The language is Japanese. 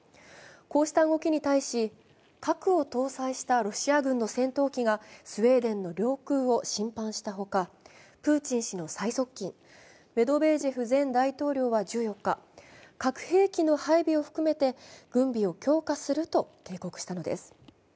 こうした動きに対し、核を搭載したロシア軍の戦闘機がスウェーデンの領空を侵犯したほか、プーチン氏の最側近、メドベージェフ前大統領は１４日、核兵器の配備を含めて軍備を強化すると警告したのです。